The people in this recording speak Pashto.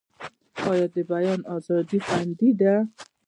آیا د بیان ازادي خوندي ده؟